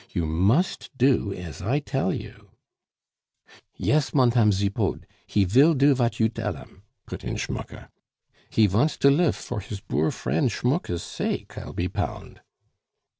You must do as I tell you " "Yes, Montame Zipod, he vill do vat you dell him," put in Schmucke; "he vants to lif for his boor friend Schmucke's sake, I'll pe pound."